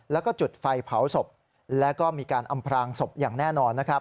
แล้วก็จุดไฟเผาศพแล้วก็มีการอำพลางศพอย่างแน่นอนนะครับ